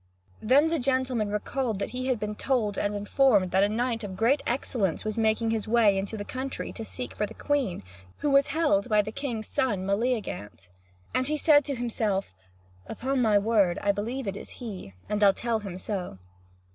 Then the gentleman recalled that he had been told and informed that a knight of great excellence was making his way into the country to seek for the Queen, who was held by the king's son, Meleagant; and he said to himself: "Upon my word, I believe it is he, and I'll tell him so."